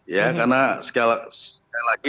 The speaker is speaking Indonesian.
ya karena sekali lagi